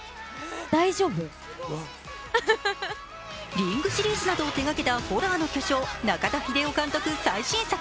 「リング」シリーズなどを手がけたホラーの巨匠・中田秀夫監督最新作。